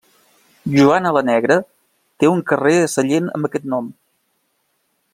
Joana la Negra té un carrer a Sallent amb aquest nom.